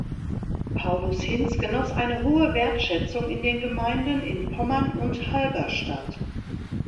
Paulus Hinz genoss eine hohe Wertschätzung in den Gemeinden in Pommern und Halberstadt.